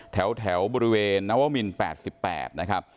แถวแถวบริเวณนวมิลแปดสิบแปดนะครับ